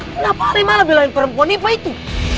kenapa alih malah bilangin perempuan itu